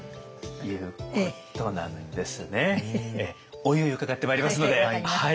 おいおい伺ってまいりますのではい。